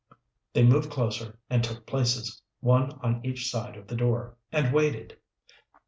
They moved closer and took places, one on each side of the door, and waited.